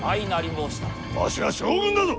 わしは将軍だぞ！